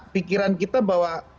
pikiran kita bahwa